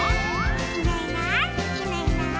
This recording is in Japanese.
「いないいないいないいない」